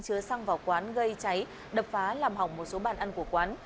chứa xăng vào quán gây cháy đập phá làm hỏng một số bàn ăn của quán